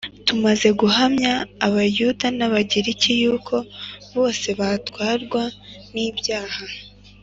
tumaze guhamya Abayuda n'Abagiriki yuko bose batwarwa n'ibyaha